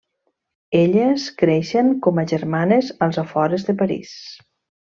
Elles creixen com a germanes als afores de París.